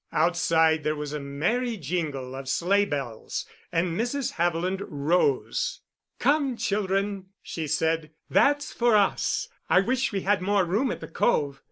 Outside there was a merry jingle of sleighbells, and Mrs. Haviland rose. "Come, children," she said, "that's for us. I wish we had more room at The Cove.